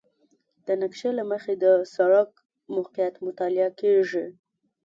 د نقشې له مخې د سړک موقعیت مطالعه کیږي